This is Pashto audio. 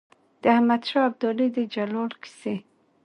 د احمد شاه ابدالي د جلال کیسې.